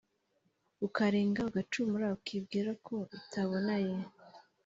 ukarenga ugacumura ukibwira ko itabona ye